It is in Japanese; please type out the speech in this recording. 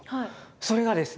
それがですね